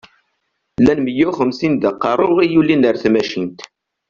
Llan miyya u xemsin d aqeṛṛu i yulin ar tmacint.